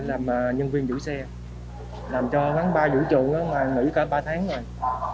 làm nhân viên vũ xe làm cho văn ba vũ trụ mà nghỉ cả ba tháng rồi